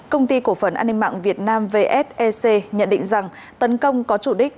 công ty cổ phần an ninh mạng việt nam vsec nhận định rằng tấn công có chủ đích